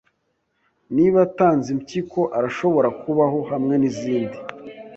Niba atanze impyiko, arashobora kubaho hamwe nizindi.